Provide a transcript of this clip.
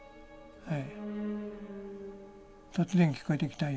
はい。